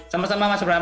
sama sama mas ram